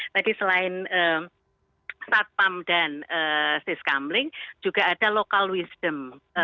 tadi selain satam dan tiskamlin juga ada local wisdom